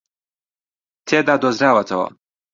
تێدا دۆزراوەتەوە